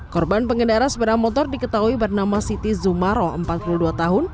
korban pengendara sepeda motor diketahui bernama siti zumaro empat puluh dua tahun